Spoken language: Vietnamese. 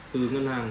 từ ngân hàng